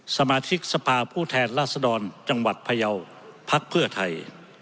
สมาชิกสภาผู้แทนราษฎรจังหวัดพยาวพักเพื่อไทย